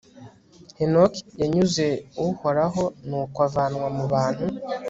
henoki yanyuze uhoraho, nuko avanwa mu bantu